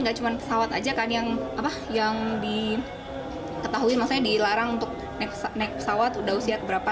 tidak cuma pesawat saja yang dilarang untuk naik pesawat sudah usia keberapa